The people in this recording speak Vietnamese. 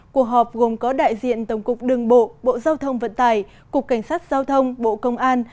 cuộc họp gồm có đại diện tổng cục đường bộ bộ giao thông vận tải cục cảnh sát giao thông bộ công an